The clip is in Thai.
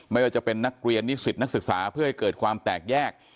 ไม่ว่าจะเป็นนักเรียนนิสิตนักศึกษาเพื่อให้เกิดความแตกแยก